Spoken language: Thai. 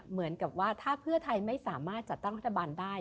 เหมือนกับว่าถ้าเพื่อไทยไม่สามารถจัดตั้งรัฐบาลได้